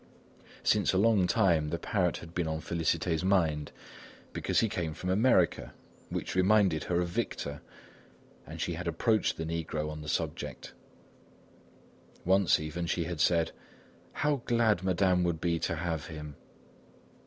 Since a long time the parrot had been on Félicité's mind, because he came from America, which reminded her of Victor, and she had approached the negro on the subject. Once even, she had said: "How glad Madame would be to have him!"